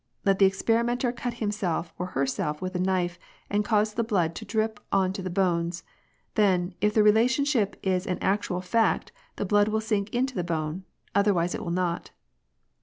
Let the experimenter cut himself or herself with a knife and cause the blood to drip on to the bones ; then, if the relationship is an actual fact the blood will sink into the bone, otherwise it will not.